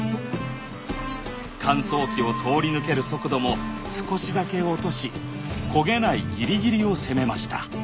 乾燥機を通り抜ける速度も少しだけ落とし焦げないぎりぎりを攻めました。